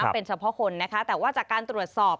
เป็นเฉพาะคนนะคะแต่ว่าจากการตรวจสอบ